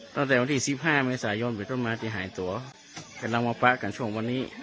ตั้งแต่วันที่๑๕นมหายตัวเรากำลังมาปละกันช่วงวันนี้